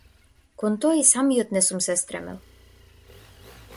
Кон тоа и самиот не сум се стремел.